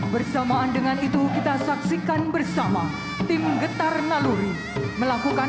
bersamaan itu kita saksikan juga